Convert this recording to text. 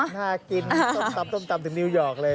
น่ากินส้มตำส้มตำถึงนิวยอร์กเลย